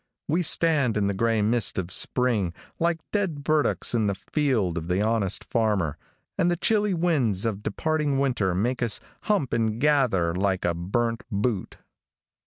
We stand in the gray mist of spring like dead burdocks in the field of the honest farmer, and the chilly winds of departing winter make us hump and gather like a burnt boot.